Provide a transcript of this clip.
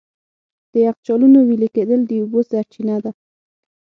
د یخچالونو وېلې کېدل د اوبو سرچینه ده.